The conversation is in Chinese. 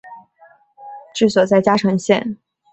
治所在嘉诚县。